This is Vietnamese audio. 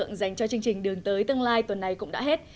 thời lượng dành cho chương trình đường tới tương lai tuần này cũng đã hết